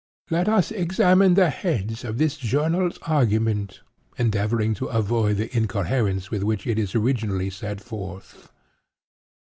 Let us examine the heads of this journal's argument; endeavoring to avoid the incoherence with which it is originally set forth.